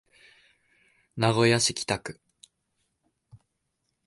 名古屋市北区